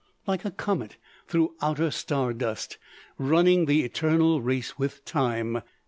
—like a comet through outer star dust, running the eternal race with Time....